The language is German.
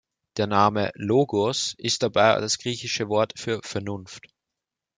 Der Name „Logos“ ist dabei das griechische Wort für Vernunft.